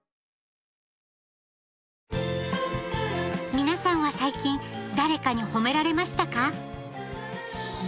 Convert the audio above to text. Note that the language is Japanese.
皆さんは最近誰かに褒められましたか？